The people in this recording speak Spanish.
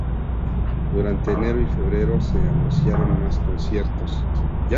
Durante enero y febrero se anunciaron más conciertos.